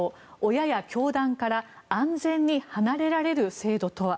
親や教団から安全に離れられる制度とは？